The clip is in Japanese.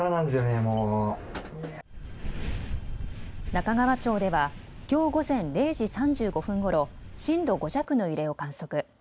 中川町では、きょう午前０時３５分ごろ震度５弱の揺れを観測。